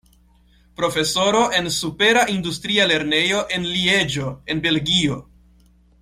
Profesoro en Supera Industria Lernejo en Lieĝo en Belgio.